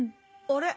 あれ？